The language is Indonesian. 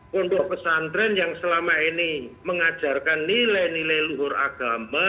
pondok pesantren yang selama ini mengajarkan nilai nilai luhur agama